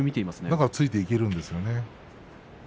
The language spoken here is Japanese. だからついていけるんですね。